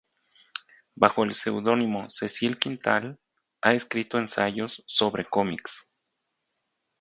Bajo el seudónimo Cecile Quintal ha escrito ensayos sobre cómics.